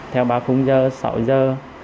theo ba khung giờ sáu giờ